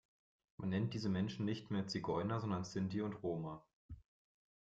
Man nennt diese Menschen nicht mehr Zigeuner, sondern Sinti und Roma.